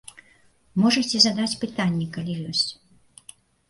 Можаце, задаць пытанні, калі ёсць.